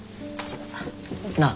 なあ。